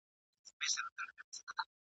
داسي د نېستۍ څپېړو شین او زمولولی یم ..